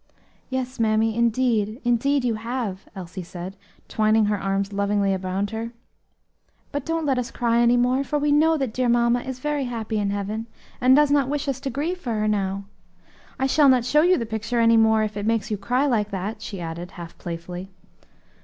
"Yes, mammy, indeed, indeed you have," Elsie said, twining her arms lovingly around her. "But don't let us cry any more, for we know that dear mamma is very happy in heaven, and does not wish us to grieve for her now. I shall not show you the picture any more if it makes you cry like that," she added half playfully.